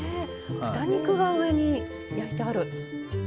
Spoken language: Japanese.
豚肉が上に焼いてある。